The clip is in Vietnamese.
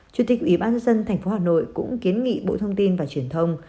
chủ tịch ủy ban dân thành phố hà nội cũng kiến nghị bộ thông tin và truyền thông